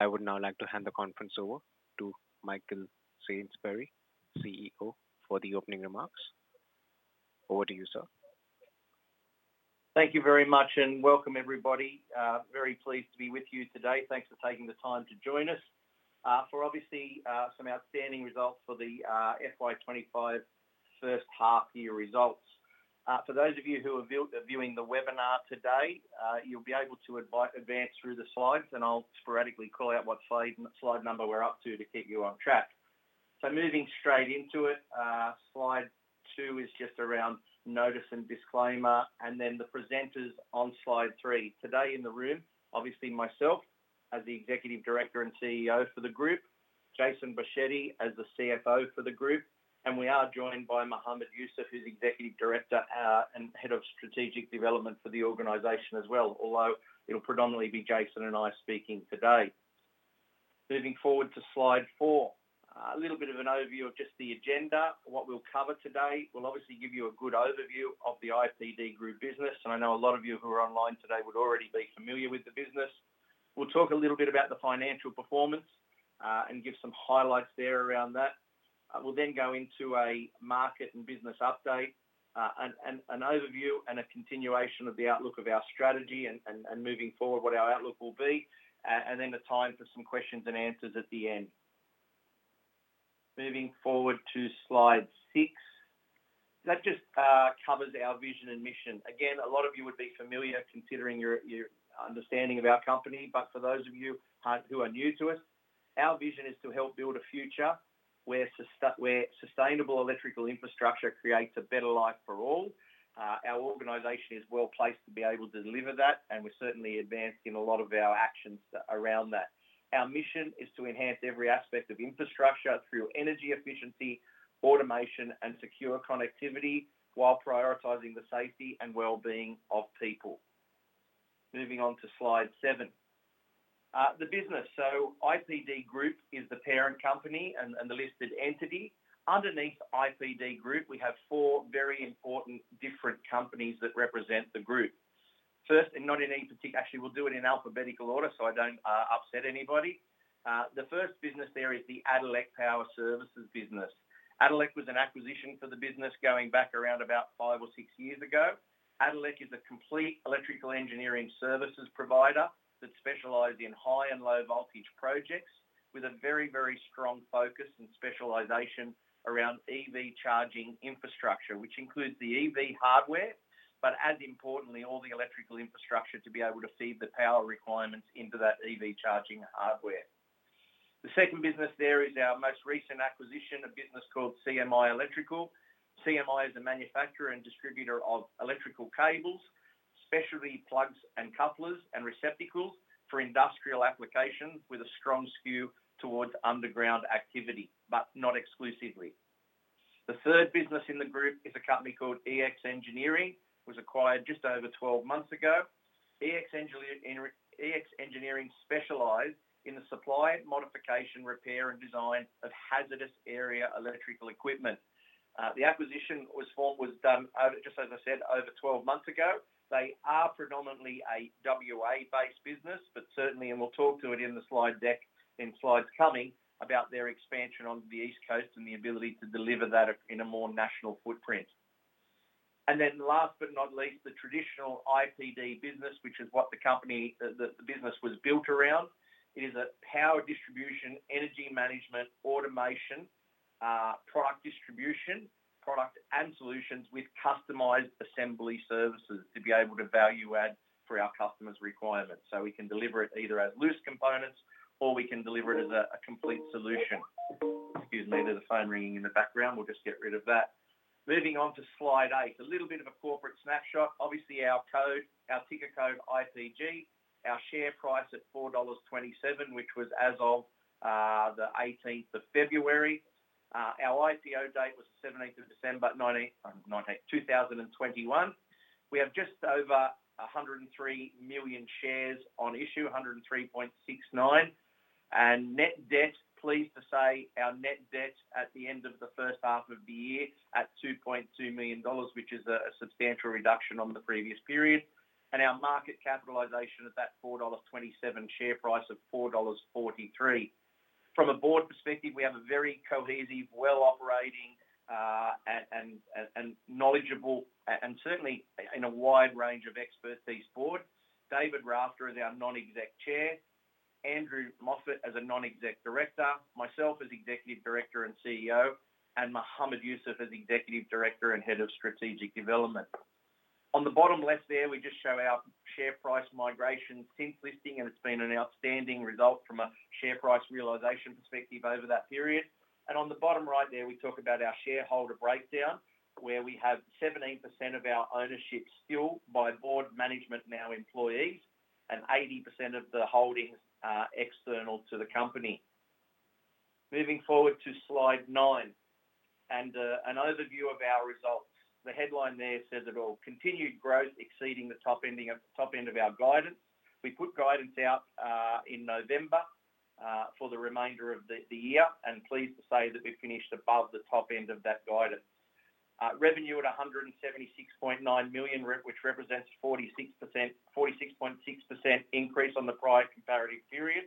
I would now like to hand the conference over to Michael Sainsbury, CEO, for the opening remarks. Over to you, sir. Thank you very much and welcome, everybody. Very pleased to be with you today. Thanks for taking the time to join us for, obviously, some outstanding results for the FY25 first half-year results. For those of you who are viewing the webinar today, you'll be able to advance through the slides, and I'll sporadically call out what slide number we're up to to keep you on track. Moving straight into it, slide to is just around notice and disclaimer, and then the presenters on slide three. Today in the room, obviously, myself as the Executive Director and CEO for the group, Jason Boschetti as the CFO for the group, and we are joined by Mohamed Yoosuff, who's Executive Director and Head of Strategic Development for the organization as well, although it'll predominantly be Jason and I speaking today. Moving forward to slide four, a little bit of an overview of just the agenda, what we'll cover today. We'll obviously give you a good overview of the IPD Group business, and I know a lot of you who are online today would already be familiar with the business. We'll talk a little bit about the financial performance and give some highlights there around that. We'll then go into a market and business update, an overview, and a continuation of the outlook of our strategy and moving forward what our outlook will be, and then the time for some questions and answers at the end. Moving forward to slide six, that just covers our vision and mission. Again, a lot of you would be familiar considering your understanding of our company, but for those of you who are new to us, our vision is to help build a future where sustainable electrical infrastructure creates a better life for all. Our organization is well placed to be able to deliver that, and we're certainly advancing a lot of our actions around that. Our mission is to enhance every aspect of infrastructure through energy efficiency, automation, and secure connectivity while prioritizing the safety and well-being of people. Moving on to slide seven, the business. IPD Group is the parent company and the listed entity. Underneath IPD Group, we have four very important different companies that represent the group. First, and not in any particular—actually, we'll do it in alphabetical order so I don't upset anybody. The first business there is the Adalec Power Services business. Adalec was an acquisition for the business going back around about five or six years ago. Adalec is a complete electrical engineering services provider that specializes in high and low voltage projects with a very, very strong focus and specialization around EV charging infrastructure, which includes the EV hardware, but as importantly, all the electrical infrastructure to be able to feed the power requirements into that EV charging hardware. The second business there is our most recent acquisition, a business called CMI Electrical. CMI is a manufacturer and distributor of electrical cables, specialty plugs, and couplers, and receptacles for industrial applications with a strong skew towards underground activity, but not exclusively. The third business in the group is a company called EX Engineering. It was acquired just over 12 months ago. EX Engineering specializes in the supply, modification, repair, and design of hazardous area electrical equipment. The acquisition was done just, as I said, over 12 months ago. They are predominantly a WA-based business, but certainly—we will talk to it in the slide deck in slides coming—about their expansion on the East Coast and the ability to deliver that in a more national footprint. Last but not least, the traditional IPD business, which is what the company—the business was built around. It is a power distribution, energy management, automation, product distribution, product and solutions with customized assembly services to be able to value-add for our customers' requirements. We can deliver it either as loose components or we can deliver it as a complete solution. Excuse me, there is a phone ringing in the background. We will just get rid of that. Moving on to slide eight, a little bit of a corporate snapshot. Obviously, our ticket code IPG, our share price at 4.27 dollars, which was as of the 18th of February. Our IPO date was the 17th of December 2021. We have just over 103 million shares on issue, 103.69, and net debt—pleased to say our net debt at the end of the first half of the year at 2.2 million dollars, which is a substantial reduction on the previous period. Our market capitalization at that 4.27 dollars share price of 4.43 dollars. From a board perspective, we have a very cohesive, well-operating, and knowledgeable, and certainly in a wide range of expertise board. David Rafter is our Non-Executive Chair. Andrew Mosfett is a Non-Executive Director. Myself as Executive Director and CEO, and Mohamed Yoosuff as Executive Director and Head of Strategic Development. On the bottom left there, we just show our share price migration since listing, and it's been an outstanding result from a share price realization perspective over that period. On the bottom right there, we talk about our shareholder breakdown, where we have 17% of our ownership still by board, management, and now employees, and 80% of the holdings are external to the company. Moving forward to slide nine and an overview of our results. The headline there says it all: continued growth exceeding the top end of our guidance. We put guidance out in November for the remainder of the year, and pleased to say that we finished above the top end of that guidance. Revenue at 176.9 million, which represents a 46.6% increase on the prior comparative period.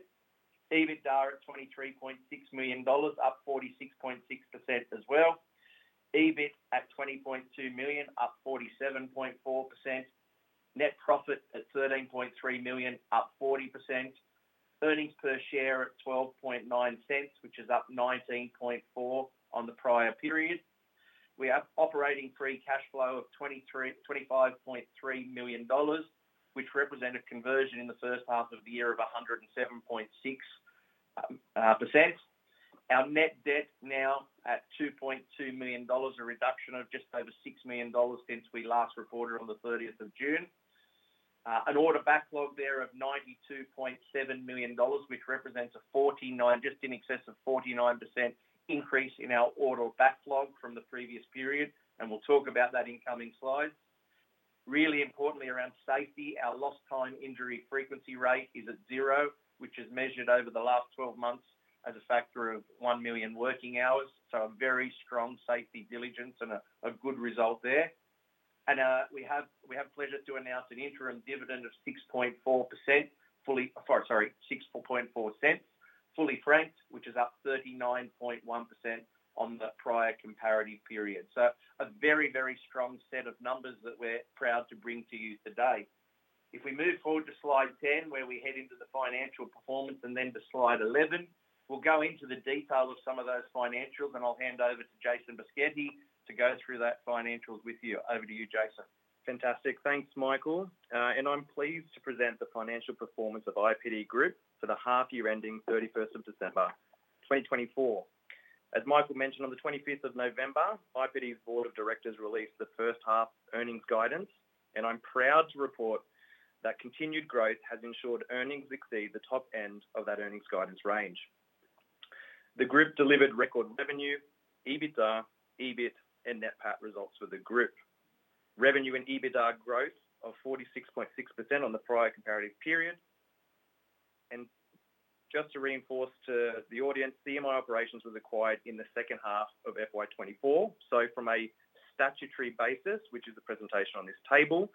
EBITDA at 23.6 million dollars, up 46.6% as well. EBIT at 20.2 million, up 47.4%. Net profit at 13.3 million, up 40%. Earnings per share at 0.129, which is up 19.4% on the prior period. We have operating free cash flow of 25.3 million dollars, which represented conversion in the first half of the year of 107.6%. Our net debt now at 2.2 million dollars, a reduction of just over 6 million dollars since we last reported on the 30th of June. An order backlog there of 92.7 million dollars, which represents a just in excess of 49% increase in our order backlog from the previous period, and we will talk about that in coming slides. Really importantly, around safety, our lost time injury frequency rate is at zero, which is measured over the last 12 months as a factor of 1 million working hours. A very strong safety diligence and a good result there. We have the pleasure to announce an interim dividend of AUD 0.064, fully franked, which is up 39.1% on the prior comparative period. A very, very strong set of numbers that we're proud to bring to you today. If we move forward to slide 10, where we head into the financial performance, and then to slide 11, we'll go into the detail of some of those financials, and I'll hand over to Jason Boschetti to go through that financials with you. Over to you, Jason. Fantastic. Thanks, Michael. I am pleased to present the financial performance of IPD Group for the half-year ending 31st of December 2024. As Michael mentioned, on the 25th of November, IPD's board of directors released the first half earnings guidance, and I am proud to report that continued growth has ensured earnings exceed the top end of that earnings guidance range. The group delivered record revenue, EBITDA, EBIT, and net PAT results for the group. Revenue and EBITDA growth of 46.6% on the prior comparative period. Just to reinforce to the audience, CMI operations was acquired in the second half of FY2024. From a statutory basis, which is the presentation on this table,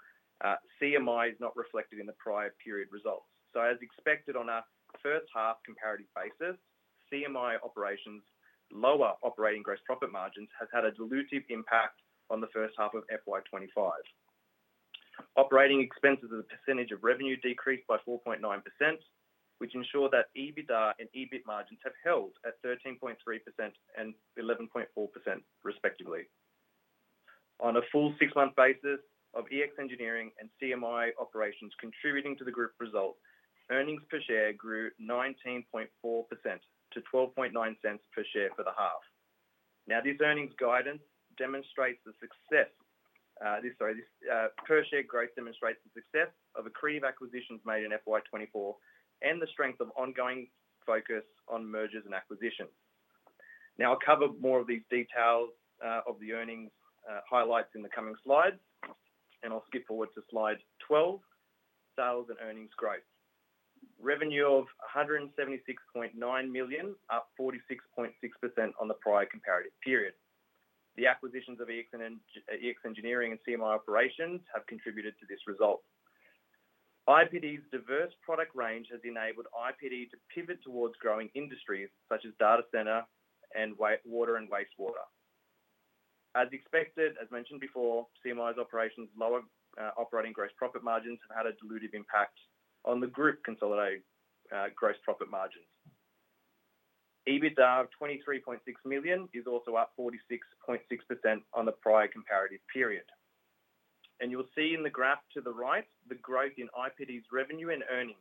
CMI is not reflected in the prior period results. As expected on a first half comparative basis, CMI operations' lower operating gross profit margins have had a dilutive impact on the first half of FY2025. Operating expenses as a percentage of revenue decreased by 4.9%, which ensured that EBITDA and EBIT margins have held at 13.3% and 11.4%, respectively. On a full six-month basis of EX Engineering and CMI operations contributing to the group result, earnings per share grew 19.4% to 0.129 per share for the half. Now, this earnings guidance demonstrates the success—sorry, this per share growth demonstrates the success of a creative acquisition made in FY2024 and the strength of ongoing focus on mergers and acquisitions. Now, I'll cover more of these details of the earnings highlights in the coming slides, and I'll skip forward to slide 12. Sales and earnings growth. Revenue of 176.9 million, up 46.6% on the prior comparative period. The acquisitions of EX Engineering and CMI operations have contributed to this result. IPD's diverse product range has enabled IPD to pivot towards growing industries such as data center and water and wastewater. As expected, as mentioned before, CMI's operations' lower operating gross profit margins have had a dilutive impact on the group consolidated gross profit margins. EBITDA of 23.6 million is also up 46.6% on the prior comparative period. You will see in the graph to the right the growth in IPD's revenue and earnings,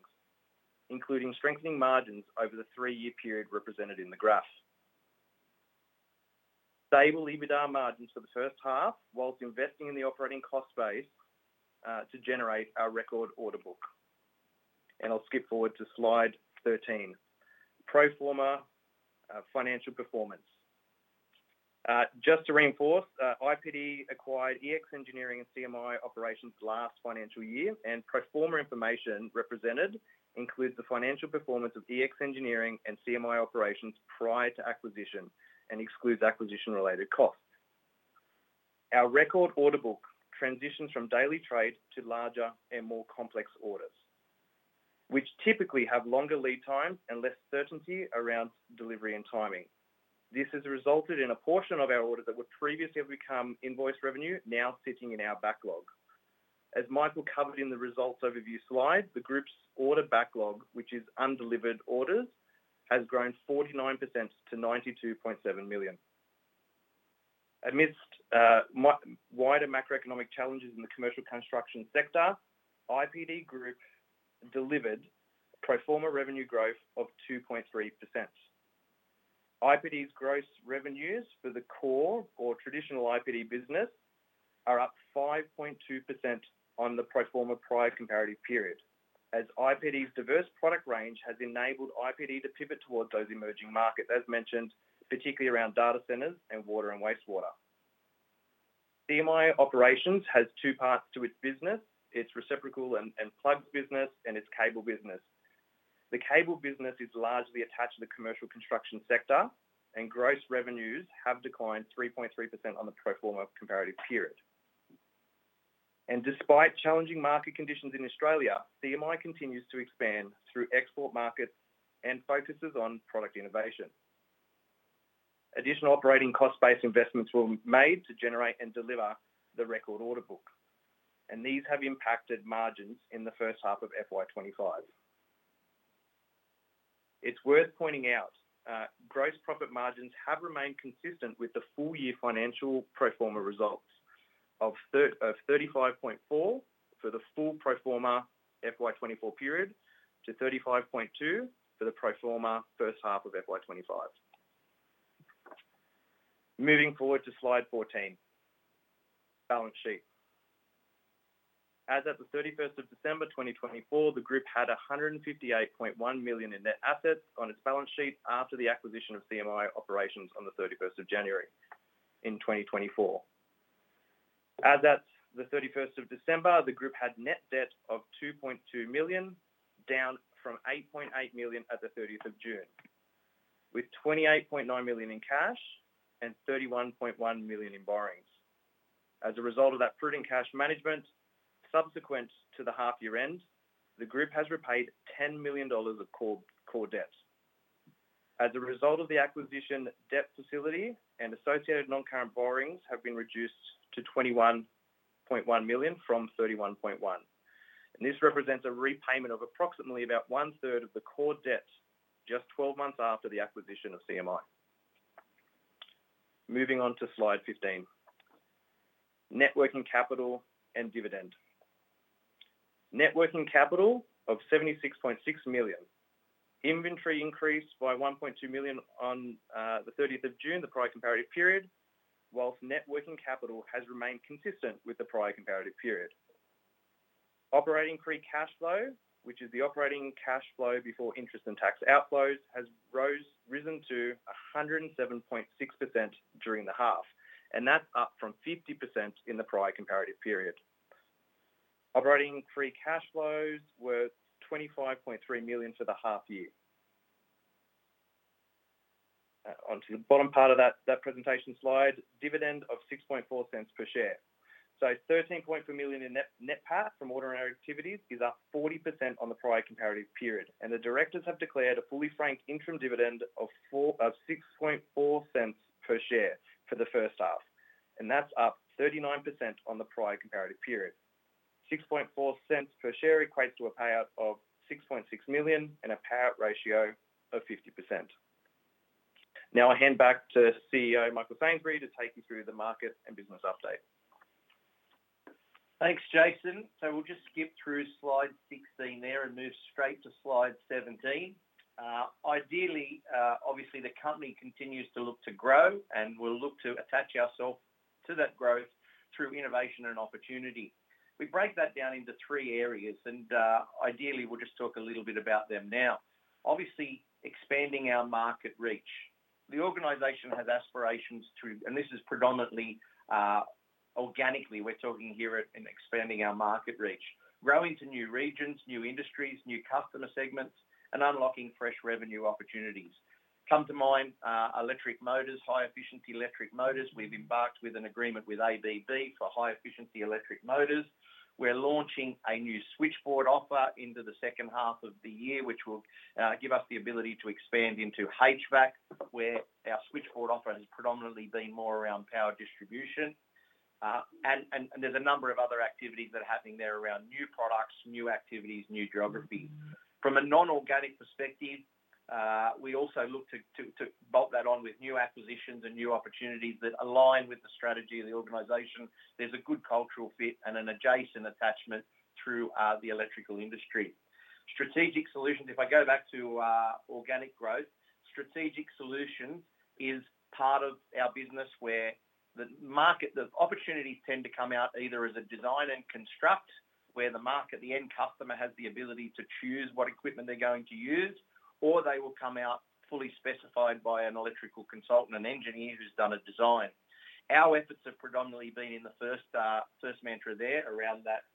including strengthening margins over the three-year period represented in the graph. Stable EBITDA margins for the first half whilst investing in the operating cost base to generate our record order book. I will skip forward to slide 13. Proforma financial performance. Just to reinforce, IPD acquired EX Engineering and CMI operations last financial year, and proforma information represented includes the financial performance of EX Engineering and CMI operations prior to acquisition and excludes acquisition-related costs. Our record order book transitions from daily trade to larger and more complex orders, which typically have longer lead times and less certainty around delivery and timing. This has resulted in a portion of our orders that would previously have become invoice revenue now sitting in our backlog. As Michael covered in the results overview slide, the group's order backlog, which is undelivered orders, has grown 49% to 92.7 million. Amidst wider macroeconomic challenges in the commercial construction sector, IPD Group delivered proforma revenue growth of 2.3%. IPD's gross revenues for the core or traditional IPD business are up 5.2% on the proforma prior comparative period, as IPD's diverse product range has enabled IPD to pivot towards those emerging markets, as mentioned, particularly around data centers and water and wastewater. CMI operations has two parts to its business: its receptacle and plugs business and its cable business. The cable business is largely attached to the commercial construction sector, and gross revenues have declined 3.3% on the proforma comparative period. Despite challenging market conditions in Australia, CMI continues to expand through export markets and focuses on product innovation. Additional operating cost-based investments were made to generate and deliver the record order book, and these have impacted margins in the first half of FY25. It is worth pointing out gross profit margins have remained consistent with the full-year financial proforma results of 35.4% for the full proforma FY24 period to 35.2% for the proforma first half of FY25. Moving forward to slide 14. Balance sheet. As of the 31st of December 2024, the group had 158.1 million in net assets on its balance sheet after the acquisition of CMI operations on the 31st of January in 2024. As of the 31st of December, the group had net debt of 2.2 million, down from 8.8 million at the 30th of June, with 28.9 million in cash and 31.1 million in borrowings. As a result of that prudent cash management subsequent to the half-year end, the group has repaid 10 million dollars of core debt. As a result of the acquisition, debt facility and associated non-current borrowings have been reduced to 21.1 million from 31.1 million. This represents a repayment of approximately about one-third of the core debt just 12 months after the acquisition of CMI. Moving on to slide 15. Networking capital and dividend. Networking capital of 76.6 million. Inventory increased by 1.2 million on the 30th of June the prior comparative period, whilst networking capital has remained consistent with the prior comparative period. Operating free cash flow, which is the operating cash flow before interest and tax outflows, has risen to 107.6% during the half, and that's up from 50% in the prior comparative period. Operating free cash flows were 25.3 million for the half-year. Onto the bottom part of that presentation slide, dividend of 0.064 per share. 13.4 million in NPAT from ordinary activities is up 40% on the prior comparative period, and the directors have declared a fully franked interim dividend of 0.064 per share for the first half, and that's up 39% on the prior comparative period. 0.064 per share equates to a payout of 6.6 million and a payout ratio of 50%. Now I'll hand back to CEO Michael Sainsbury to take you through the market and business update. Thanks, Jason. We'll just skip through slide 16 there and move straight to slide 17. Ideally, obviously, the company continues to look to grow, and we'll look to attach ourselves to that growth through innovation and opportunity. We break that down into three areas, and ideally, we'll just talk a little bit about them now. Obviously, expanding our market reach. The organization has aspirations to, and this is predominantly organically, we're talking here in expanding our market reach, growing to new regions, new industries, new customer segments, and unlocking fresh revenue opportunities. Come to mind electric motors, high-efficiency electric motors. We've embarked with an agreement with ABB for high-efficiency electric motors. We're launching a new switchboard offer into the second half of the year, which will give us the ability to expand into HVAC, where our switchboard offer has predominantly been more around power distribution. There are a number of other activities that are happening there around new products, new activities, new geographies. From a non-organic perspective, we also look to bolt that on with new acquisitions and new opportunities that align with the strategy of the organization. There is a good cultural fit and an adjacent attachment through the electrical industry. Strategic solutions, if I go back to organic growth, strategic solutions is part of our business where the market, the opportunities tend to come out either as a design and construct, where the market, the end customer has the ability to choose what equipment they are going to use, or they will come out fully specified by an electrical consultant, an engineer who has done a design. Our efforts have predominantly been in the first mantra there around that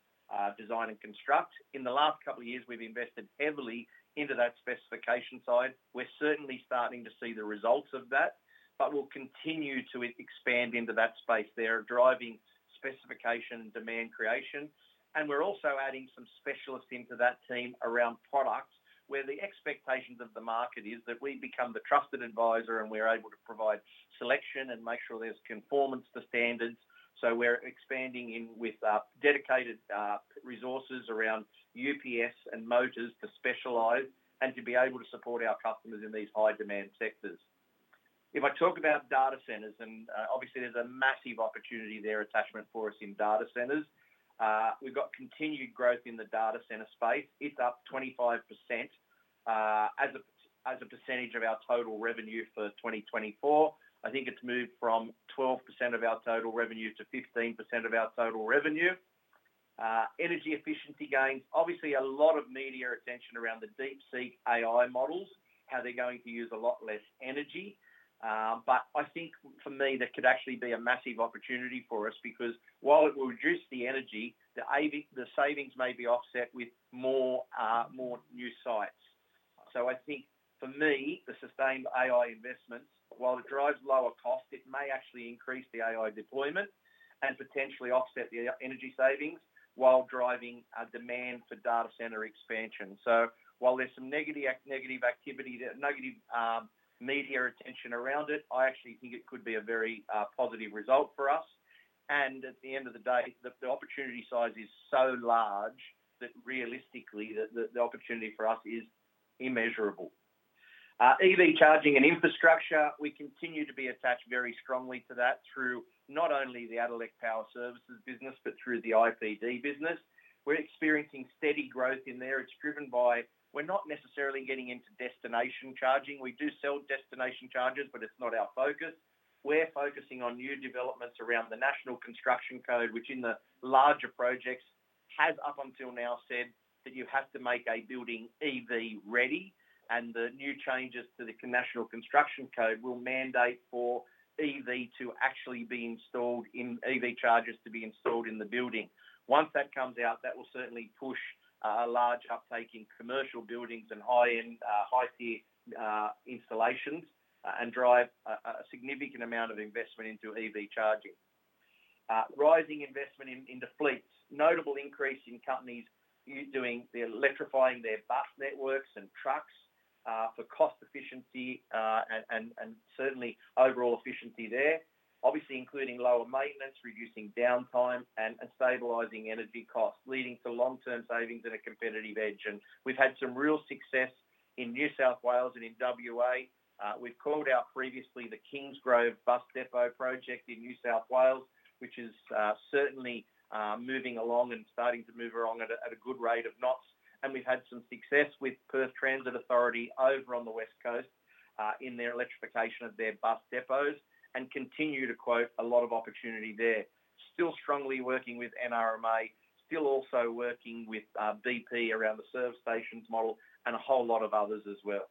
design and construct. In the last couple of years, we have invested heavily into that specification side. We're certainly starting to see the results of that, but we'll continue to expand into that space there, driving specification and demand creation. We're also adding some specialists into that team around product, where the expectations of the market is that we become the trusted advisor and we're able to provide selection and make sure there's conformance to standards. We're expanding in with dedicated resources around UPS and motors to specialize and to be able to support our customers in these high-demand sectors. If I talk about data centers, obviously, there's a massive opportunity there attachment for us in data centers. We've got continued growth in the data center space. It's up 25% as a percentage of our total revenue for 2024. I think it's moved from 12% of our total revenue to 15% of our total revenue. Energy efficiency gains, obviously, a lot of media attention around the deep-sea AI models, how they're going to use a lot less energy. I think for me, there could actually be a massive opportunity for us because while it will reduce the energy, the savings may be offset with more new sites. I think for me, the sustained AI investments, while it drives lower costs, it may actually increase the AI deployment and potentially offset the energy savings while driving demand for data center expansion. While there's some negative activity, negative media attention around it, I actually think it could be a very positive result for us. At the end of the day, the opportunity size is so large that realistically, the opportunity for us is immeasurable. EV charging and infrastructure, we continue to be attached very strongly to that through not only the Adalec Power Services business, but through the IPD business. We're experiencing steady growth in there. It's driven by we're not necessarily getting into destination charging. We do sell destination chargers, but it's not our focus. We're focusing on new developments around the National Construction Code, which in the larger projects has up until now said that you have to make a building EV-ready, and the new changes to the National Construction Code will mandate for EV to actually be installed in EV chargers to be installed in the building. Once that comes out, that will certainly push a large uptake in commercial buildings and high-tier installations and drive a significant amount of investment into EV charging. Rising investment into fleets. Notable increase in companies doing the electrifying their bus networks and trucks for cost efficiency and certainly overall efficiency there. Obviously, including lower maintenance, reducing downtime, and stabilizing energy costs, leading to long-term savings and a competitive edge. We have had some real success in New South Wales and in WA. We have called out previously the Kingsgrove Bus Depot project in New South Wales, which is certainly moving along and starting to move along at a good rate of knots. We have had some success with Perth Transit Authority over on the West Coast in their electrification of their bus depots and continue to quote a lot of opportunity there. Still strongly working with NRMA, still also working with BP around the service stations model and a whole lot of others as well.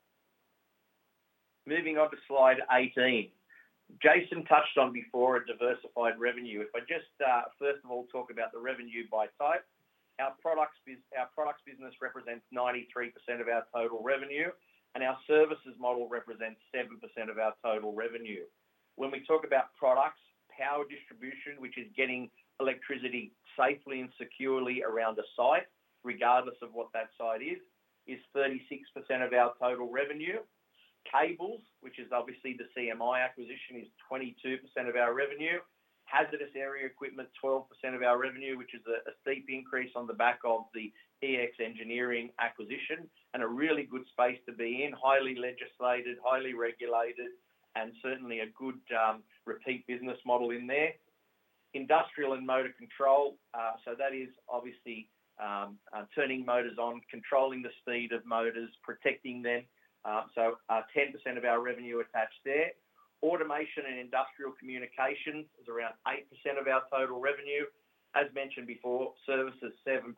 Moving on to slide 18. Jason touched on before a diversified revenue. If I just first of all talk about the revenue by type, our products business represents 93% of our total revenue, and our services model represents 7% of our total revenue. When we talk about products, power distribution, which is getting electricity safely and securely around a site, regardless of what that site is, is 36% of our total revenue. Cables, which is obviously the CMI acquisition, is 22% of our revenue. Hazardous area equipment, 12% of our revenue, which is a steep increase on the back of the EX Engineering acquisition and a really good space to be in, highly legislated, highly regulated, and certainly a good repeat business model in there. Industrial and motor control, so that is obviously turning motors on, controlling the speed of motors, protecting them. So 10% of our revenue attached there. Automation and industrial communications is around 8% of our total revenue. As mentioned before, services 7%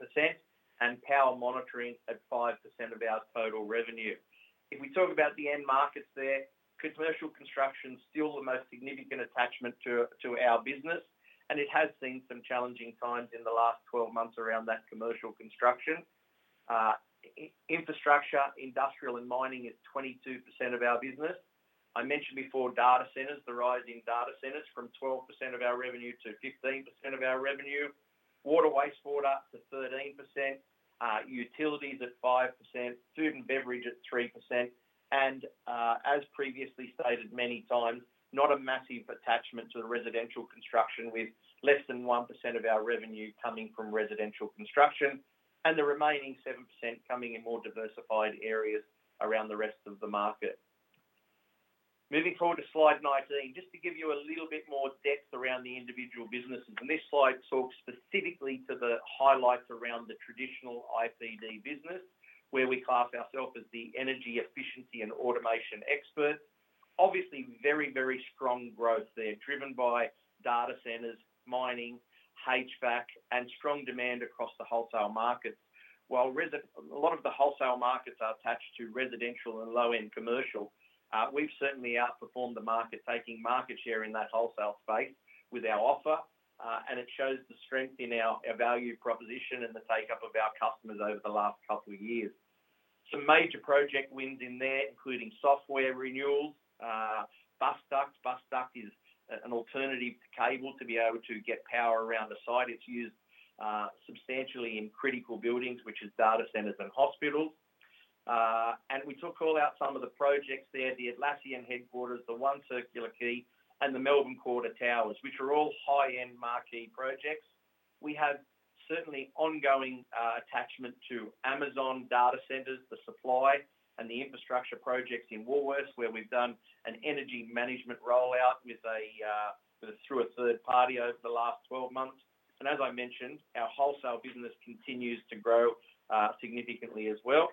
and power monitoring at 5% of our total revenue. If we talk about the end markets there, commercial construction is still the most significant attachment to our business, and it has seen some challenging times in the last 12 months around that commercial construction. Infrastructure, industrial and mining is 22% of our business. I mentioned before data centers, the rise in data centers from 12% of our revenue to 15% of our revenue. Water wastewater to 13%, utilities at 5%, food and beverage at 3%. As previously stated many times, not a massive attachment to the residential construction, with less than 1% of our revenue coming from residential construction and the remaining 7% coming in more diversified areas around the rest of the market. Moving forward to slide 19, just to give you a little bit more depth around the individual businesses. This slide talks specifically to the highlights around the traditional IPD business, where we class ourselves as the energy efficiency and automation experts. Obviously, very, very strong growth there, driven by data centers, mining, HVAC, and strong demand across the wholesale markets. While a lot of the wholesale markets are attached to residential and low-end commercial, we have certainly outperformed the market, taking market share in that wholesale space with our offer, and it shows the strength in our value proposition and the take-up of our customers over the last couple of years. Some major project wins in there, including software renewals, bus ducts. Bus duct is an alternative to cable to be able to get power around a site. It is used substantially in critical buildings, which are data centers and hospitals. We talk all about some of the projects there, the Atlassian headquarters, the One Circular Key, and the Melbourne Quarter Towers, which are all high-end marquee projects. We have certainly ongoing attachment to Amazon data centers, the supply and the infrastructure projects in Woolworths, where we've done an energy management rollout through a third party over the last 12 months. As I mentioned, our wholesale business continues to grow significantly as well.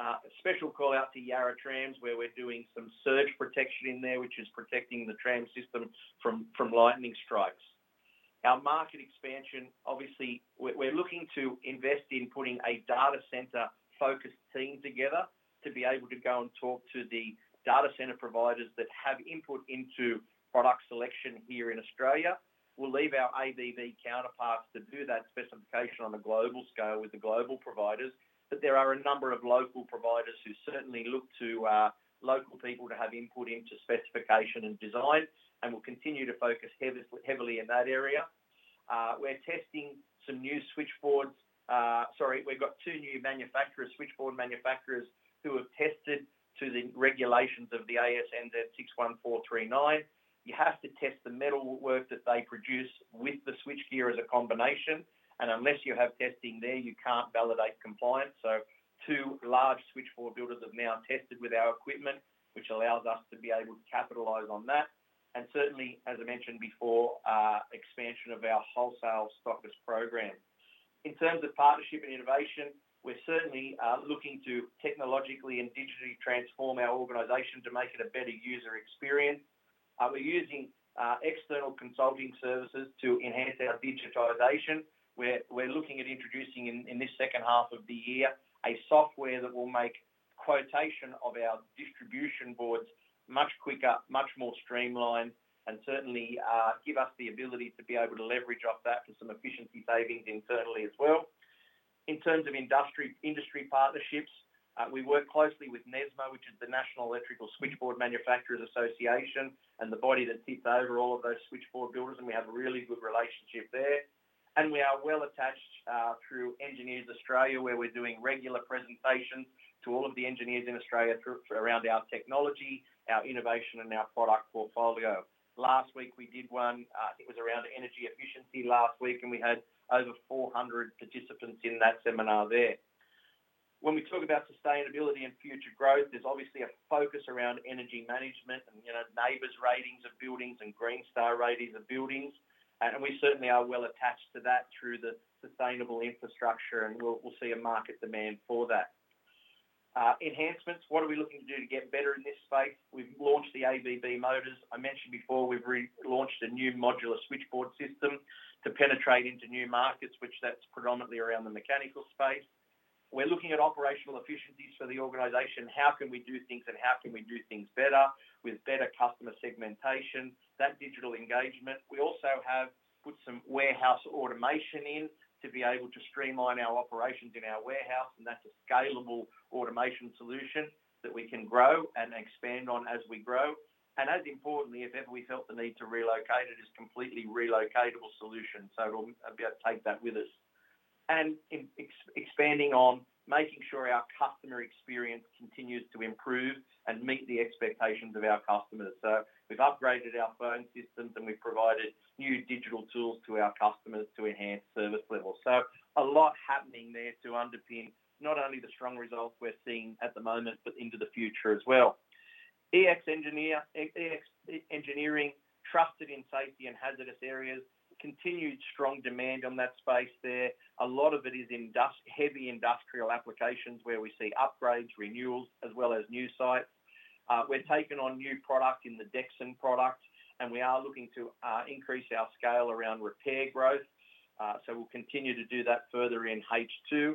A special call out to Yarra Trams, where we're doing some surge protection in there, which is protecting the tram system from lightning strikes. Our market expansion, obviously, we're looking to invest in putting a data center-focused team together to be able to go and talk to the data center providers that have input into product selection here in Australia. We'll leave our ADV counterparts to do that specification on a global scale with the global providers, but there are a number of local providers who certainly look to local people to have input into specification and design, and we'll continue to focus heavily in that area. We're testing some new switchboards. Sorry, we've got two new manufacturers, switchboard manufacturers, who have tested to the regulations of the AS/NZS 61439. You have to test the metal work that they produce with the switchgear as a combination, and unless you have testing there, you can't validate compliance. Two large switchboard builders have now tested with our equipment, which allows us to be able to capitalize on that. Certainly, as I mentioned before, expansion of our wholesale stock as program. In terms of partnership and innovation, we're certainly looking to technologically and digitally transform our organization to make it a better user experience. We're using external consulting services to enhance our digitization. We're looking at introducing in this second half of the year a software that will make quotation of our distribution boards much quicker, much more streamlined, and certainly give us the ability to be able to leverage off that for some efficiency savings internally as well. In terms of industry partnerships, we work closely with NESMA, which is the National Electrical Switchboard Manufacturers Association and the body that sits over all of those switchboard builders, and we have a really good relationship there. We are well attached through Engineers Australia, where we're doing regular presentations to all of the engineers in Australia around our technology, our innovation, and our product portfolio. Last week, we did one. I think it was around energy efficiency last week, and we had over 400 participants in that seminar there. When we talk about sustainability and future growth, there's obviously a focus around energy management and NABERS ratings of buildings and Green Star Ratings of buildings. We certainly are well attached to that through the sustainable infrastructure, and we'll see a market demand for that. Enhancements, what are we looking to do to get better in this space? We've launched the ABB motors. I mentioned before we've launched a new Modular Switchboard System to penetrate into new markets, which that's predominantly around the mechanical space. We're looking at operational efficiencies for the organization. How can we do things, and how can we do things better with better customer segmentation, that digital engagement? We also have put some warehouse automation in to be able to streamline our operations in our warehouse, and that is a scalable automation solution that we can grow and expand on as we grow. As importantly, if ever we felt the need to relocate, it is a completely relocatable solution, so we will take that with us. Expanding on making sure our customer experience continues to improve and meet the expectations of our customers, we have upgraded our phone systems, and we have provided new digital tools to our customers to enhance service levels. A lot is happening there to underpin not only the strong results we are seeing at the moment, but into the future as well. EX Engineering, trusted in safety and hazardous areas, continued strong demand in that space. A lot of it is heavy industrial applications where we see upgrades, renewals, as well as new sites. We're taking on new product in the Dixon product, and we are looking to increase our scale around repair growth, so we'll continue to do that further in H2.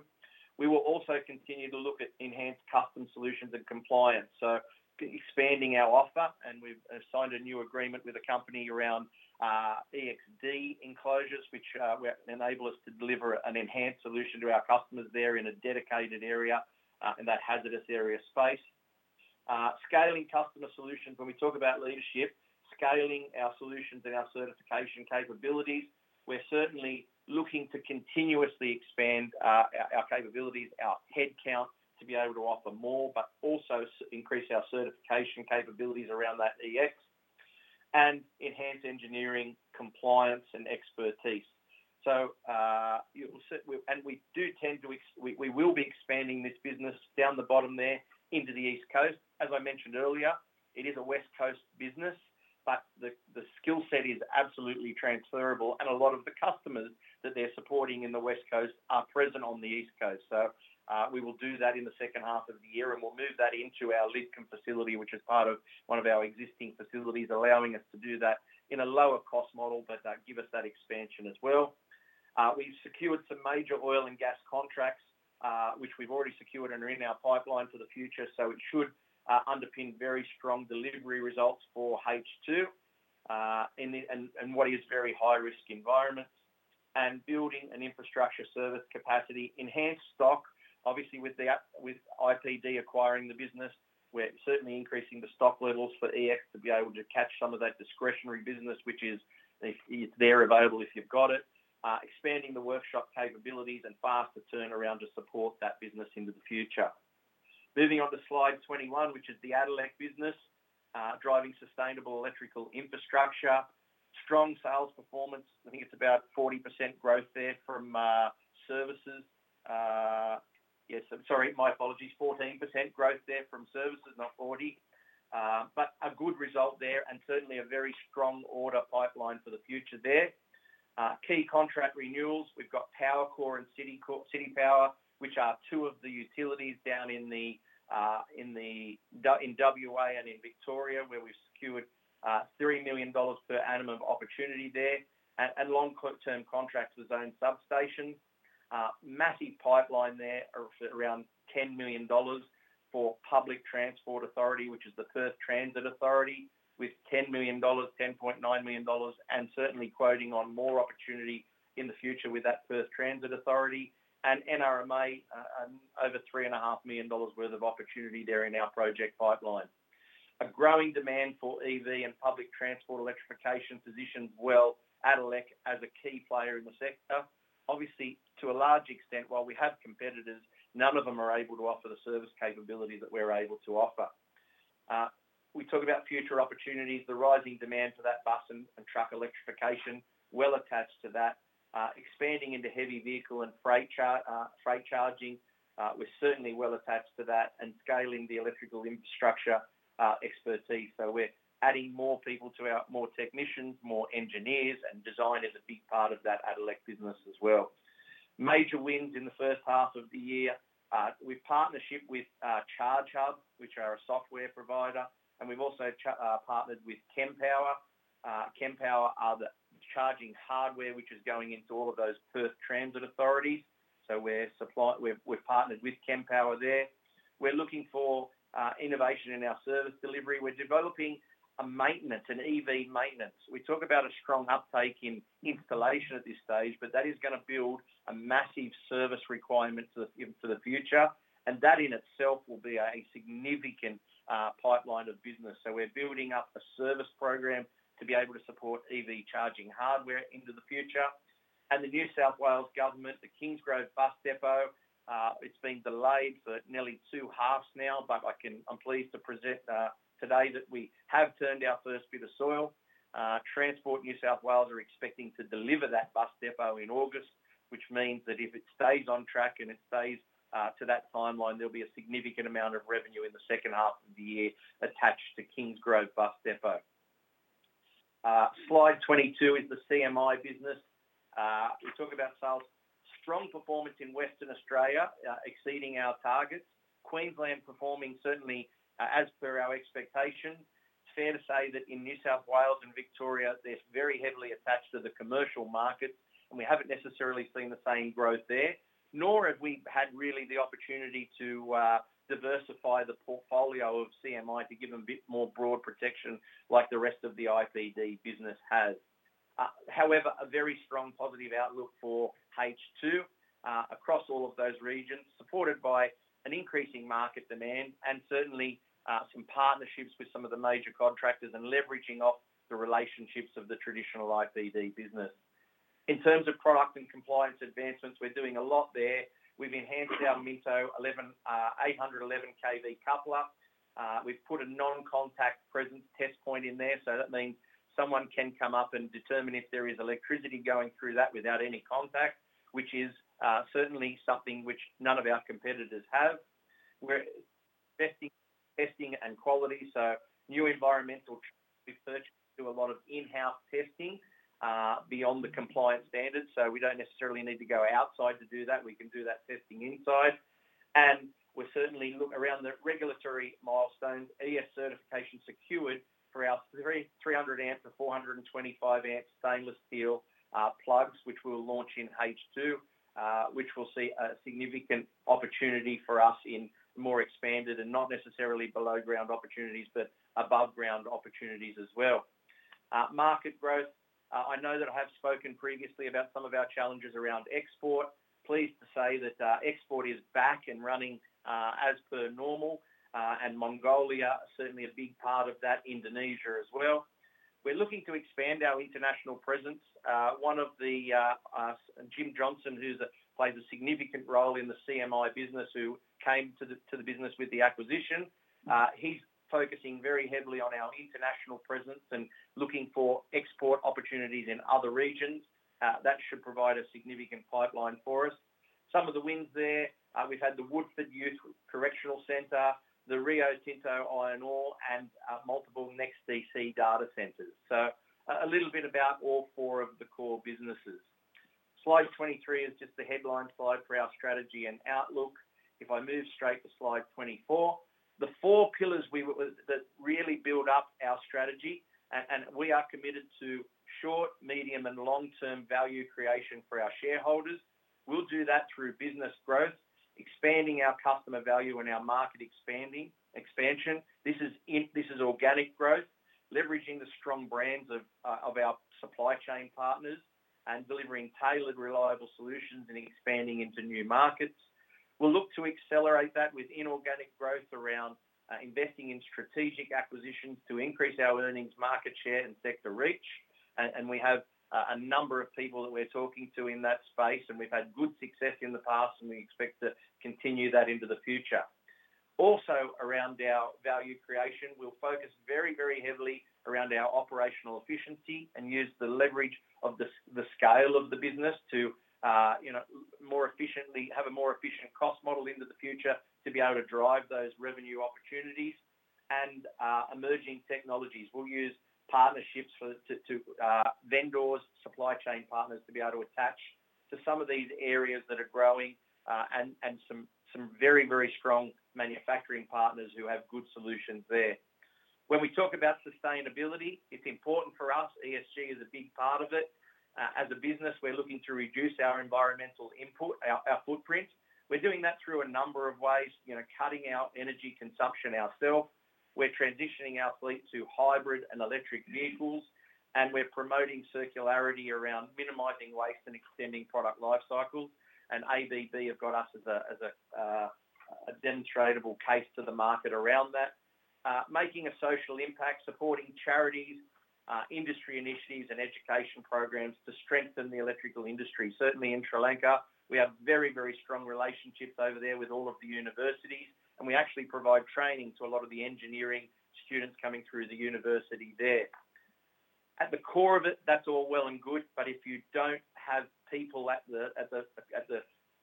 We will also continue to look at enhanced custom solutions and compliance. Expanding our offer, and we've signed a new agreement with a company around Ex d enclosures, which enables us to deliver an enhanced solution to our customers there in a dedicated area in that hazardous area space. Scaling customer solutions. When we talk about leadership, scaling our solutions and our certification capabilities, we're certainly looking to continuously expand our capabilities, our headcount, to be able to offer more, but also increase our certification capabilities around that EX and enhance engineering compliance and expertise. We do tend to we will be expanding this business down the bottom there into the East Coast. As I mentioned earlier, it is a West Coast business, but the skill set is absolutely transferable, and a lot of the customers that they're supporting in the West Coast are present on the East Coast. We will do that in the second half of the year, and we'll move that into our Lidcombe facility, which is part of one of our existing facilities, allowing us to do that in a lower-cost model, but give us that expansion as well. We've secured some major oil and gas contracts, which we've already secured and are in our pipeline for the future, so it should underpin very strong delivery results for H2 and what is very high-risk environments. Building an infrastructure service capacity, enhanced stock, obviously with IPD acquiring the business, we're certainly increasing the stock levels for EX to be able to catch some of that discretionary business, which is there available if you've got it. Expanding the workshop capabilities and faster turnaround to support that business into the future. Moving on to slide 21, which is the Adalec business, driving sustainable electrical infrastructure, strong sales performance. I think it's about 40% growth there from services. Yes, sorry, my apologies, 14% growth there from services, not 40, but a good result there and certainly a very strong order pipeline for the future there. Key contract renewals. We've got Powercor and CitiPower, which are two of the utilities down in Western Australia and in Victoria, where we've secured 3 million dollars per annum of opportunity there and long-term contracts with Zone Substation. Massive pipeline there around 10 million dollars for Public Transport Authority, which is the Perth Transit Authority, with 10 million dollars, 10.9 million dollars, and certainly quoting on more opportunity in the future with that Perth Transit Authority. NRMA, over 3.5 million dollars worth of opportunity there in our project pipeline. A growing demand for EV and public transport electrification positions well Adalec as a key player in the sector. Obviously, to a large extent, while we have competitors, none of them are able to offer the service capability that we're able to offer. We talk about future opportunities, the rising demand for that bus and truck electrification, well attached to that. Expanding into heavy vehicle and freight charging, we're certainly well attached to that and scaling the electrical infrastructure expertise. We're adding more people to our more technicians, more engineers, and design is a big part of that Adalec business as well. Major wins in the first half of the year. We've partnership with ChargeHub, which are a software provider, and we've also partnered with Kempower. Kempower are the charging hardware, which is going into all of those Perth Transit Authorities. We've partnered with Kempower there. We're looking for innovation in our service delivery. We're developing a maintenance, an EV maintenance. We talk about a strong uptake in installation at this stage, but that is going to build a massive service requirement for the future, and that in itself will be a significant pipeline of business. We're building up a service program to be able to support EV charging hardware into the future. The New South Wales government, the Kingsgrove Bus Depot, it's been delayed for nearly two halves now, but I'm pleased to present today that we have turned our first bit of soil. Transport New South Wales are expecting to deliver that bus depot in August, which means that if it stays on track and it stays to that timeline, there'll be a significant amount of revenue in the second half of the year attached to Kingsgrove Bus Depot. slide 22 is the CMI business. We talk about sales, strong performance in Western Australia, exceeding our targets. Queensland performing certainly as per our expectations. It's fair to say that in New South Wales and Victoria, they're very heavily attached to the commercial markets, and we haven't necessarily seen the same growth there, nor have we had really the opportunity to diversify the portfolio of CMI to give them a bit more broad protection like the rest of the IPD business has. However, a very strong positive outlook for H2 across all of those regions, supported by an increasing market demand and certainly some partnerships with some of the major contractors and leveraging off the relationships of the traditional IPD business. In terms of product and compliance advancements, we're doing a lot there. We've enhanced our MITO 811 kV coupler. We've put a non-contact presence test point in there, so that means someone can come up and determine if there is electricity going through that without any contact, which is certainly something which none of our competitors have. We're testing and quality, so new environmental trends we've purchased do a lot of in-house testing beyond the compliance standards, so we don't necessarily need to go outside to do that. We can do that testing inside. We're certainly around the regulatory milestones, ES certification secured for our 300 amp to 425 amp stainless steel plugs, which we'll launch in H2, which will see a significant opportunity for us in more expanded and not necessarily below ground opportunities, but above ground opportunities as well. Market growth. I know that I have spoken previously about some of our challenges around export. Pleased to say that export is back and running as per normal, and Mongolia is certainly a big part of that, Indonesia as well. We're looking to expand our international presence. One of the Jim Johnson, who plays a significant role in the CMI business, who came to the business with the acquisition, he's focusing very heavily on our international presence and looking for export opportunities in other regions. That should provide a significant pipeline for us. Some of the wins there, we've had the Woodford Youth Correctional Centre, the Rio Tinto iron ore, and multiple NEXTDC data centers. A little bit about all four of the core businesses. slide 23 is just the headline slide for our strategy and outlook. If I move straight to slide 24, the four pillars that really build up our strategy, and we are committed to short, medium, and long-term value creation for our shareholders. We will do that through business growth, expanding our customer value and our market expansion. This is organic growth, leveraging the strong brands of our supply chain partners and delivering tailored, reliable solutions and expanding into new markets. We will look to accelerate that with inorganic growth around investing in strategic acquisitions to increase our earnings, market share, and sector reach. We have a number of people that we are talking to in that space, and we have had good success in the past, and we expect to continue that into the future. Also, around our value creation, we'll focus very, very heavily around our operational efficiency and use the leverage of the scale of the business to have a more efficient cost model into the future to be able to drive those revenue opportunities and emerging technologies. We'll use partnerships to vendors, supply chain partners to be able to attach to some of these areas that are growing and some very, very strong manufacturing partners who have good solutions there. When we talk about sustainability, it's important for us. ESG is a big part of it. As a business, we're looking to reduce our environmental input, our footprint. We're doing that through a number of ways, cutting out energy consumption ourselves. We're transitioning our fleet to hybrid and electric vehicles, and we're promoting circularity around minimizing waste and extending product lifecycle. ABB have got us as a demonstratable case to the market around that. Making a social impact, supporting charities, industry initiatives, and education programs to strengthen the electrical industry. Certainly, in Sri Lanka, we have very, very strong relationships over there with all of the universities, and we actually provide training to a lot of the engineering students coming through the university there. At the core of it, that's all well and good, but if you don't have people at the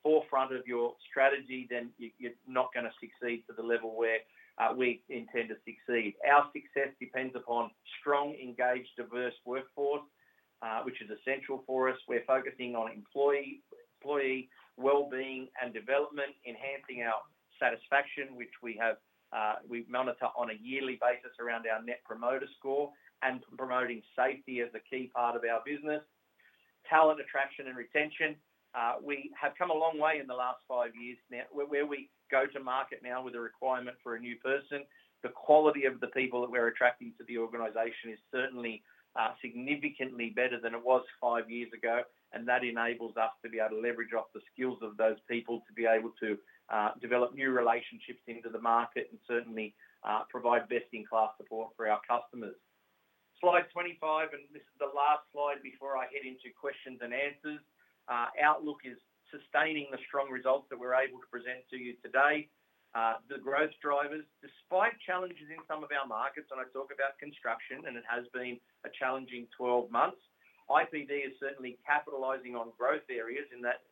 forefront of your strategy, then you're not going to succeed to the level where we intend to succeed. Our success depends upon a strong, engaged, diverse workforce, which is essential for us. We're focusing on employee well-being and development, enhancing our satisfaction, which we monitor on a yearly basis around our net promoter score and promoting safety as a key part of our business. Talent attraction and retention. We have come a long way in the last five years where we go to market now with a requirement for a new person. The quality of the people that we're attracting to the organization is certainly significantly better than it was five years ago, and that enables us to be able to leverage off the skills of those people to be able to develop new relationships into the market and certainly provide best-in-class support for our customers. slide 25, and this is the last slide before I head into questions and answers. Outlook is sustaining the strong results that we're able to present to you today. The growth drivers, despite challenges in some of our markets, and I talk about construction, and it has been a challenging 12 months. IPD is certainly capitalizing on growth areas in that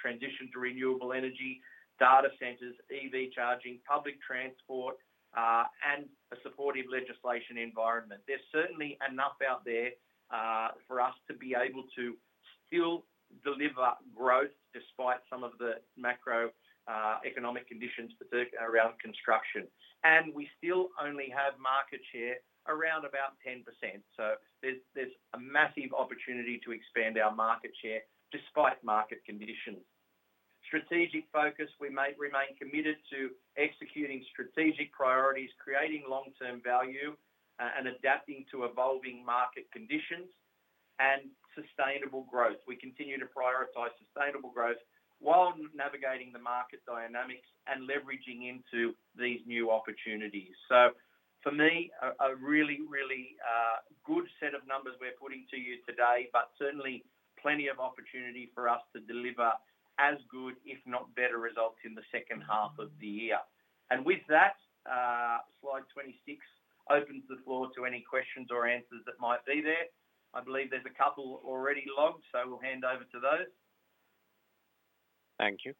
transition to renewable energy, data centers, EV charging, public transport, and a supportive legislation environment. There's certainly enough out there for us to be able to still deliver growth despite some of the macroeconomic conditions around construction. We still only have market share around about 10%. There is a massive opportunity to expand our market share despite market conditions. Strategic focus. We remain committed to executing strategic priorities, creating long-term value, and adapting to evolving market conditions and sustainable growth. We continue to prioritize sustainable growth while navigating the market dynamics and leveraging into these new opportunities. For me, a really, really good set of numbers we're putting to you today, but certainly plenty of opportunity for us to deliver as good, if not better results in the second half of the year. With that, slide 26 opens the floor to any questions or answers that might be there. I believe there are a couple already logged, so we will hand over to those. Thank you.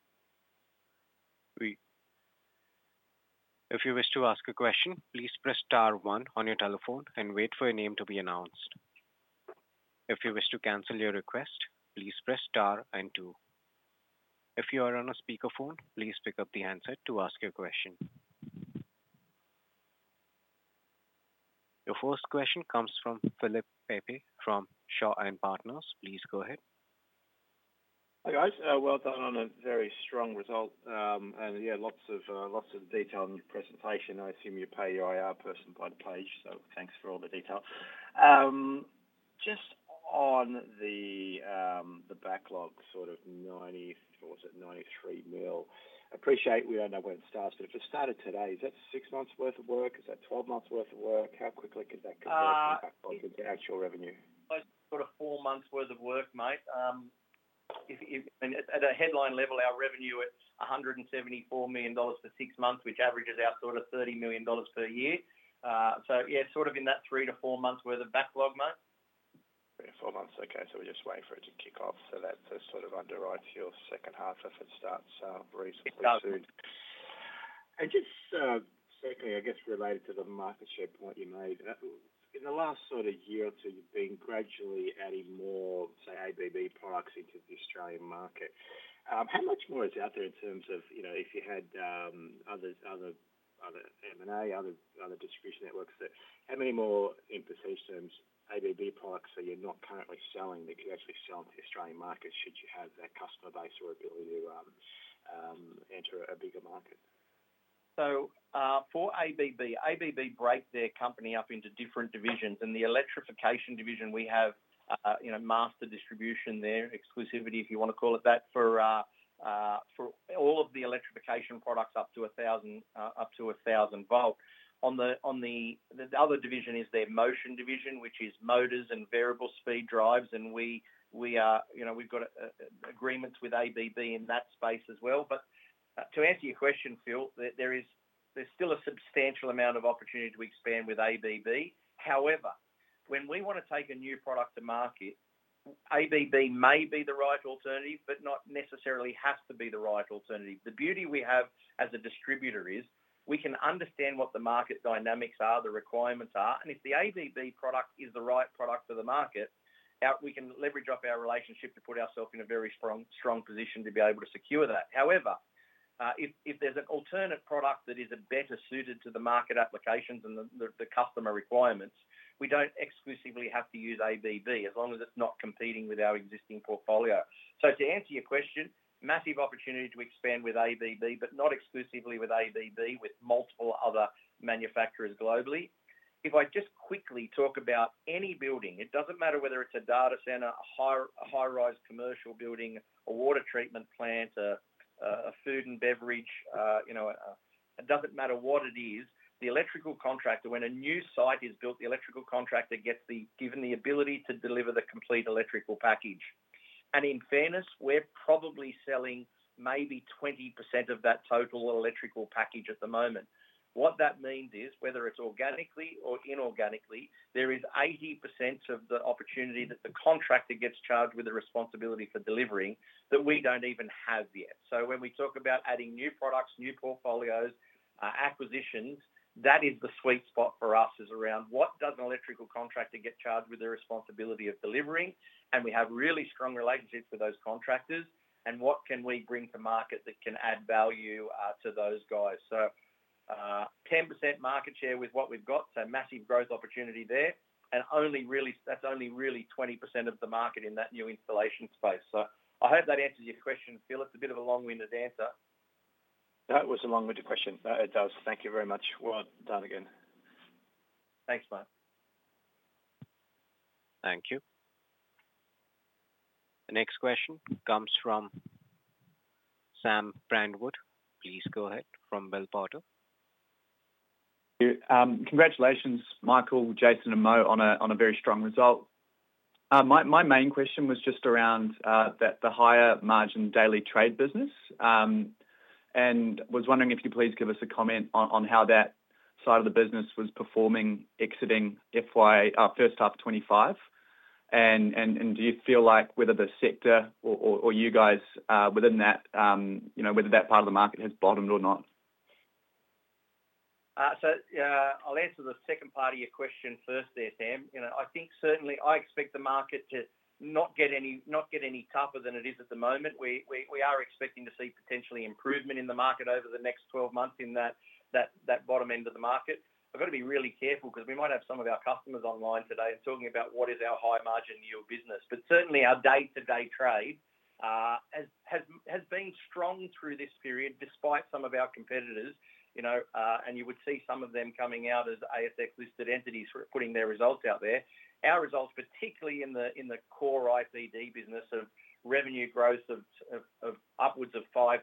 If you wish to ask a question, please press star one on your telephone and wait for your name to be announced. If you wish to cancel your request, please press star and two. If you are on a speakerphone, please pick up the handset to ask your question. Your first question comes from Philip Pepe from Shaw & Partners. Please go ahead. Hi guys. Well done on a very strong result and, yeah, lots of detail in your presentation. I assume you pay your IR person by the page, so thanks for all the detail. Just on the backlog, sort of 90, what was it, 93 million. Appreciate we don't know when it starts, but if it started today, is that six months' worth of work? Is that 12 months' worth of work? How quickly could that convert from backlog into actual revenue? Sort of four months' worth of work, mate. At a headline level, our revenue is 174 million dollars for six months, which averages out sort of 30 million dollars per year. Yeah, sort of in that three- to four-months' worth of backlog, mate. Three to four months, okay. We are just waiting for it to kick off so that sort of underwrites your second half if it starts briefly soon. Just certainly, I guess, related to the market share point you made, in the last year or two, you've been gradually adding more, say, ABB products into the Australian market. How much more is out there in terms of if you had other M&A, other distribution networks, how many more in % terms ABB products that you're not currently selling that you're actually selling to the Australian market should you have that customer base or ability to enter a bigger market? For ABB, ABB break their company up into different divisions. In the electrification division, we have master distribution there, exclusivity, if you want to call it that, for all of the electrification products up to 1,000 volt. On the other division is their motion division, which is motors and variable speed drives, and we've got agreements with ABB in that space as well. To answer your question, Phil, there's still a substantial amount of opportunity to expand with ABB. However, when we want to take a new product to market, ABB may be the right alternative, but not necessarily has to be the right alternative. The beauty we have as a distributor is we can understand what the market dynamics are, the requirements are, and if the ABB product is the right product for the market, we can leverage up our relationship to put ourselves in a very strong position to be able to secure that. However, if there's an alternate product that is better suited to the market applications and the customer requirements, we do not exclusively have to use ABB as long as it is not competing with our existing portfolio. To answer your question, massive opportunity to expand with ABB, but not exclusively with ABB, with multiple other manufacturers globally. If I just quickly talk about any building, it doesn't matter whether it's a data center, a high-rise commercial building, a water treatment plant, a food and beverage, it doesn't matter what it is, the electrical contractor, when a new site is built, the electrical contractor gets given the ability to deliver the complete electrical package. In fairness, we're probably selling maybe 20% of that total electrical package at the moment. What that means is, whether it's organically or inorganically, there is 80% of the opportunity that the contractor gets charged with the responsibility for delivering that we don't even have yet. When we talk about adding new products, new portfolios, acquisitions, that is the sweet spot for us, is around what does an electrical contractor get charged with the responsibility of delivering, and we have really strong relationships with those contractors, and what can we bring to market that can add value to those guys. Ten percent market share with what we've got, so massive growth opportunity there, and that's only really 20% of the market in that new installation space. I hope that answers your question, Phil. It's a bit of a long-winded answer. That was a long-winded question. It does. Thank you very much. Well done again. Thanks, mate. Thank you. The next question comes from Sam Brandwood. Please go ahead from Bell Potter Congratulations, Michael, Jason, and Mo on a very strong result. My main question was just around the higher margin daily trade business and was wondering if you could please give us a comment on how that side of the business was performing exiting FY first half of 2025. Do you feel like whether the sector or you guys within that, whether that part of the market has bottomed or not? I'll answer the second part of your question first there, Sam. I think certainly I expect the market to not get any tougher than it is at the moment. We are expecting to see potentially improvement in the market over the next 12 months in that bottom end of the market. We've got to be really careful because we might have some of our customers online today and talking about what is our high margin in your business. Certainly, our day-to-day trade has been strong through this period despite some of our competitors, and you would see some of them coming out as ASX-listed entities putting their results out there. Our results, particularly in the core IPD business, of revenue growth of upwards of 5%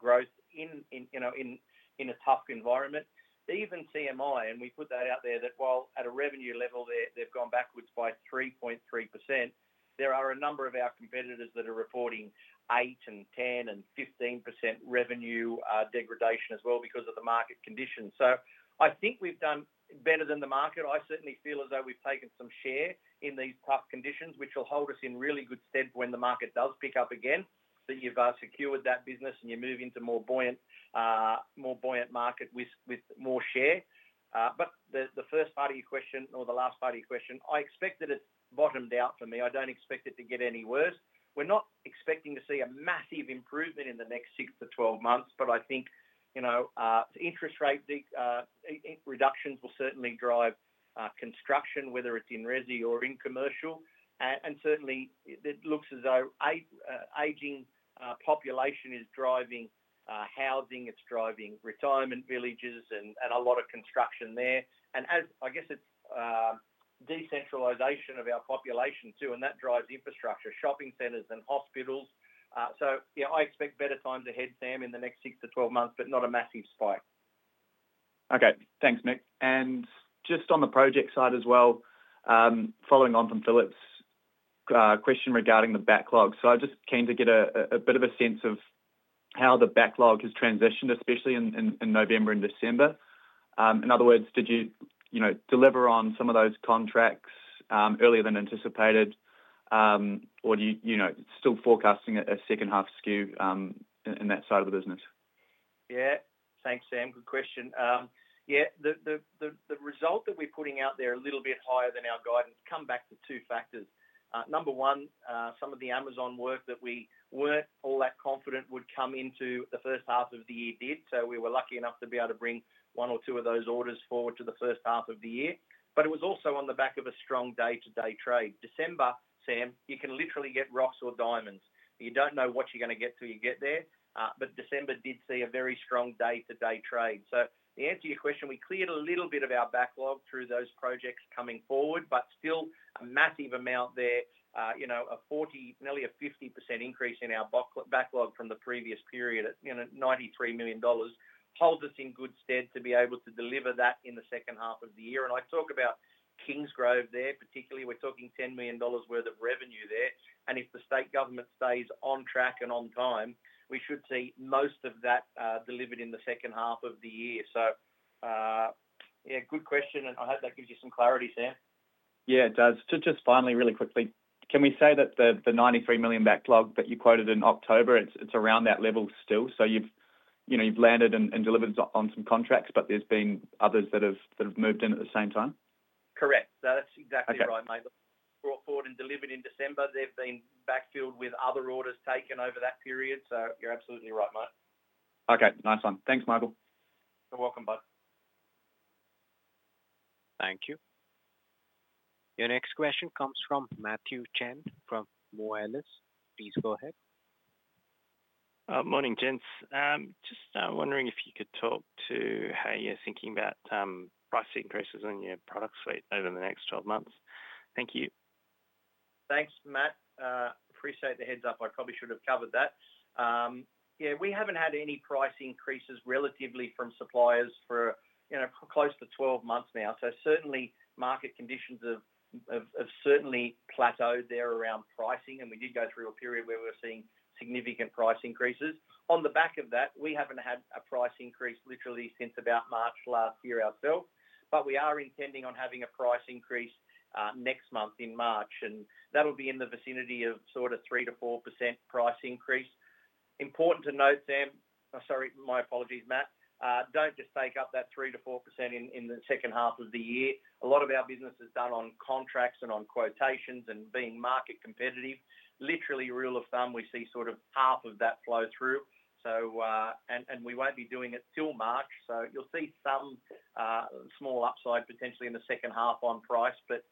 growth in a tough environment. Even CMI, and we put that out there that while at a revenue level, they've gone backwards by 3.3%, there are a number of our competitors that are reporting 8% and 10% and 15% revenue degradation as well because of the market conditions. I think we've done better than the market. I certainly feel as though we've taken some share in these tough conditions, which will hold us in really good stead when the market does pick up again, that you've secured that business and you move into a more buoyant market with more share. The first part of your question, or the last part of your question, I expect that it's bottomed out for me. I don't expect it to get any worse. We're not expecting to see a massive improvement in the next 6-12 months, but I think interest rate reductions will certainly drive construction, whether it's in resi or in commercial. Certainly, it looks as though aging population is driving housing, it's driving retirement villages, and a lot of construction there. I guess it's decentralization of our population too, and that drives infrastructure, shopping centers, and hospitals. Yeah, I expect better times ahead, Sam, in the next 6-12 months, but not a massive spike. Okay. Thanks, Mick. Just on the project side as well, following on from Philip's question regarding the backlog, I'm just keen to get a bit of a sense of how the backlog has transitioned, especially in November and December. In other words, did you deliver on some of those contracts earlier than anticipated, or are you still forecasting a second half skew in that side of the business? Yeah. Thanks, Sam. Good question. Yeah. The result that we're putting out there is a little bit higher than our guidance, and that comes back to two factors. Number one, some of the Amazon work that we weren't all that confident would come into the first half of the year did. We were lucky enough to be able to bring one or two of those orders forward to the first half of the year. It was also on the back of a strong day-to-day trade. December, Sam, you can literally get rocks or diamonds. You do not know what you are going to get till you get there, but December did see a very strong day-to-day trade. To answer your question, we cleared a little bit of our backlog through those projects coming forward, but still a massive amount there, a 40%-nearly 50% increase in our backlog from the previous period at 93 million dollars holds us in good stead to be able to deliver that in the second half of the year. I talk about Kingsgrove there, particularly. We are talking 10 million dollars worth of revenue there. If the state government stays on track and on time, we should see most of that delivered in the second half of the year. Yeah, good question, and I hope that gives you some clarity, Sam. Yeah, it does. Just finally, really quickly, can we say that the 93 million backlog that you quoted in October, it's around that level still? You've landed and delivered on some contracts, but there have been others that have moved in at the same time? Correct. That's exactly right, Michael. Brought forward and delivered in December, they've been backfilled with other orders taken over that period. You're absolutely right, mate. Okay. Nice one. Thanks, Michael. You're welcome, bud. Thank you. Your next question comes from Matthew Chen from Moelis. Please go ahead. Morning, Gents. Just wondering if you could talk to how you're thinking about price increases on your product suite over the next 12 months. Thank you. Thanks, Matt. Appreciate the heads-up. I probably should have covered that. Yeah, we haven't had any price increases relatively from suppliers for close to 12 months now. Certainly, market conditions have certainly plateaued there around pricing, and we did go through a period where we were seeing significant price increases. On the back of that, we haven't had a price increase literally since about March last year ourselves, but we are intending on having a price increase next month in March, and that will be in the vicinity of sort of 3%-4% price increase. Important to note, Sam—sorry, my apologies, Matt—don't just take up that 3%-4% in the second half of the year. A lot of our business is done on contracts and on quotations and being market competitive. Literally, rule of thumb, we see sort of half of that flow through, and we won't be doing it till March. You'll see some small upside potentially in the second half on price, but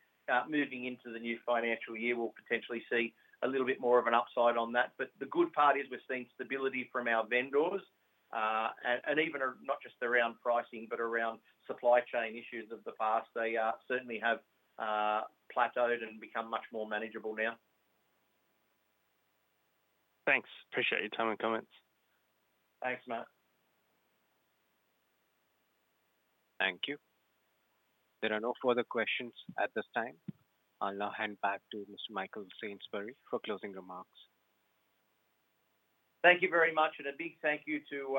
moving into the new financial year, we'll potentially see a little bit more of an upside on that. The good part is we're seeing stability from our vendors, and even not just around pricing, but around supply chain issues of the past. They certainly have plateaued and become much more manageable now. Thanks. Appreciate your time and comments. Thanks, Matt. Thank you. There are no further questions at this time. I'll now hand back to Mr. Michael Sainsbury for closing remarks. Thank you very much, and a big thank you to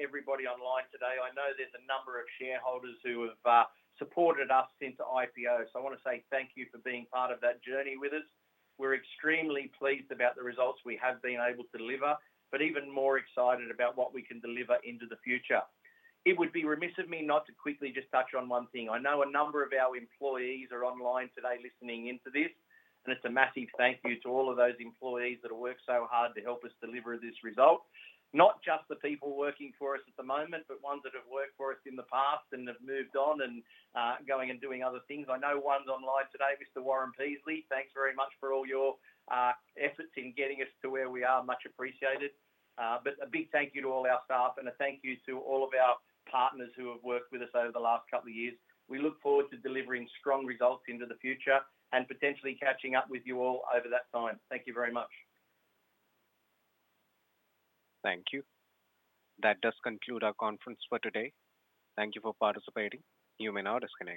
everybody online today. I know there's a number of shareholders who have supported us since IPO, so I want to say thank you for being part of that journey with us. We're extremely pleased about the results we have been able to deliver, but even more excited about what we can deliver into the future. It would be remiss of me not to quickly just touch on one thing. I know a number of our employees are online today listening into this, and it's a massive thank you to all of those employees that have worked so hard to help us deliver this result. Not just the people working for us at the moment, but ones that have worked for us in the past and have moved on and are going and doing other things. I know one's online today, Mr. Warren Peasley. Thanks very much for all your efforts in getting us to where we are. Much appreciated. A big thank you to all our staff, and a thank you to all of our partners who have worked with us over the last couple of years. We look forward to delivering strong results into the future and potentially catching up with you all over that time. Thank you very much. Thank you. That does conclude our conference for today. Thank you for participating. You may now disconnect.